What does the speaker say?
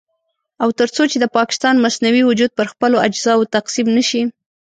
او تر څو چې د پاکستان مصنوعي وجود پر خپلو اجزاوو تقسيم نه شي.